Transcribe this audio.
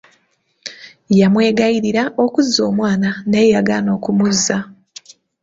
Yamwegayirira okuzza omwana naye yagaana okumuzza.